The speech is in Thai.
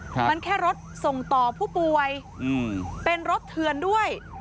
มันแค่รถส่งต่อผู้ป่วยอืมเป็นรถเถือนด้วย